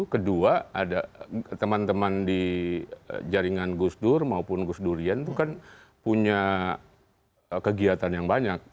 kedua ada teman teman di jaringan gus dur maupun gus durian itu kan punya kegiatan yang banyak